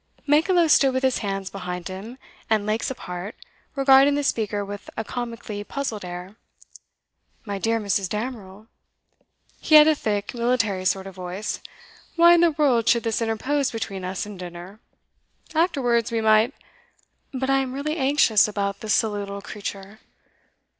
Mankelow stood with his hands behind him, and legs apart, regarding the speaker with a comically puzzled air. 'My dear Mrs. Damerel,' he had a thick, military sort of voice, 'why in the world should this interpose between us and dinner? Afterwards, we might ' 'But I am really anxious about the silly little creature.